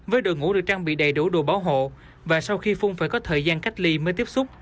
với đội ngũ được trang bị đầy đủ đồ bảo hộ và sau khi phun phải có thời gian cách ly mới tiếp xúc